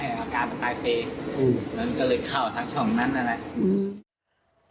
อากาศตายไปมันก็เลยเข้าทางช่องนั้น